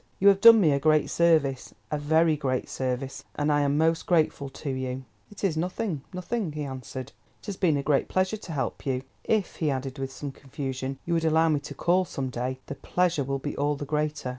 You have done me a great service, a very great service, and I am most grateful to you." "It is nothing—nothing," he answered. "It has been a pleasure to help you. If," he added with some confusion, "you would allow me to call some day, the pleasure will be all the greater.